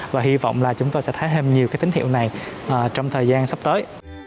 và hy vọng là chúng tôi sẽ thấy thêm nhiều cái tín hiệu này trong thời gian sắp tới